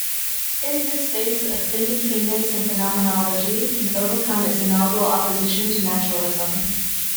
In this space of in-betweenness phenomenology can overcome its inaugural opposition to naturalism.